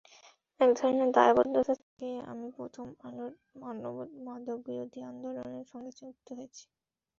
একধরনের দায়বদ্ধতা থেকেই আমি প্রথম আলোর মাদকবিরোধী আন্দোলনের সঙ্গে যুক্ত হয়েছি।